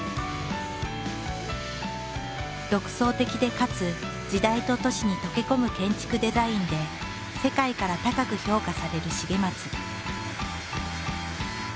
独創的でかつ時代と都市に溶け込む建築デザインで世界から高く評価される重松。